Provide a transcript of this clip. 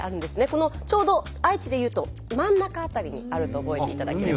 このちょうど愛知で言うと真ん中辺りにあると覚えていただければ。